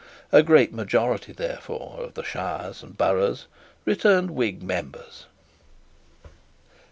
A great majority, therefore, of the shires and boroughs returned Whig members.